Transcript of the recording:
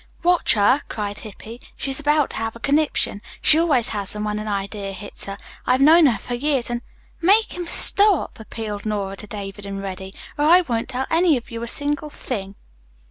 "Watch her," cried Hippy. "She is about to have a conniption. She always has them when an idea hits her. I've known her for years and " "Make him stop," appealed Nora to David and Reddy, "or I won't tell any of you a single thing."